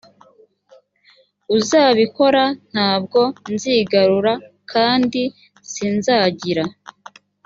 uzabikora ntabwo nzigarura kandi sinzagira